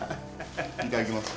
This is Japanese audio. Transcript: いただきます。